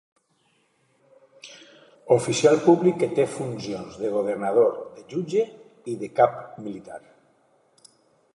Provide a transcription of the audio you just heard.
Oficial públic que té funcions de governador, de jutge i de cap militar.